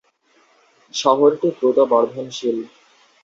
শহরটি দ্রুত বর্ধনশীল।